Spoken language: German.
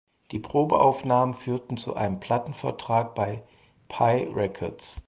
Die Probeaufnahmen führten zu einem Plattenvertrag bei Pye Records.